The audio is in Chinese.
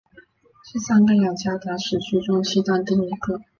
是三个雅加达时区中西端第一个。